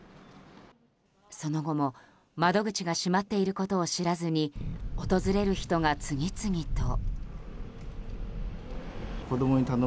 その後も、窓口が閉まっていることを知らずに訪れる人が次々と。